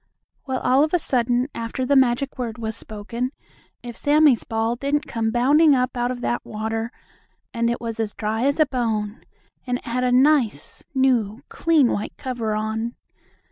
Well, all of a sudden, after the magic word was spoken, if Sammie's ball didn't come bounding up out of that water, and it was as dry as a bone, and it had a nice, new, clean, white cover on.